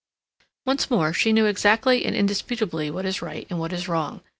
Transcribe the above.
Once more, she knew exactly and indisputably what is right and what is wrong.